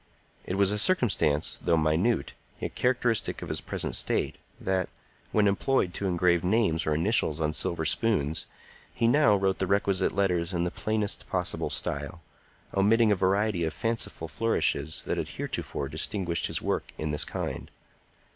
It was a circumstance, though minute, yet characteristic of his present state, that, when employed to engrave names or initials on silver spoons, he now wrote the requisite letters in the plainest possible style, omitting a variety of fanciful flourishes that had heretofore distinguished his work in this kind.